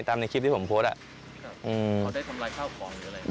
ตามในคลิปที่ผมโพสต์